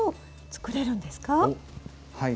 はい。